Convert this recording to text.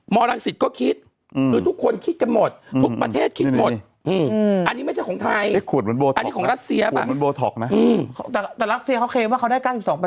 ปราสเตียมเค้าเคลมว่าเค้าได้๙๒